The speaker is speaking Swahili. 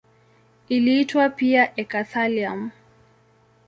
Iliitwa pia eka-thallium.